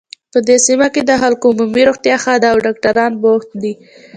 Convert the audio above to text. په دې سیمه کې د خلکو عمومي روغتیا ښه ده او ډاکټران بوخت دي